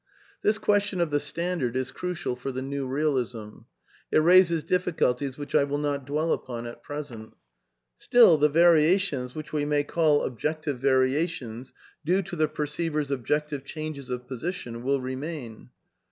(This question of tji e standard i s crucial for the New Eealism. It raises difficulties which I will not dwell upon at present.) Still, the variations, which we may call objective varia tions due to the perceiver's objective changes of position, will remain.